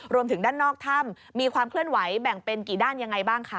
รวมถึงด้านนอกถ้ำมีความเคลื่อนไหวแบ่งเป็นกี่ด้านยังไงบ้างคะ